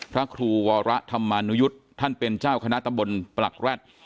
พระครูวรธรรมานุยุทธ์ท่านเป็นเจ้าคณะตำบลปลักแร็ด